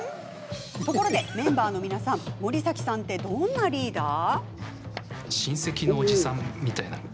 ところで、メンバーの皆さん森崎さんって、どんなリーダー？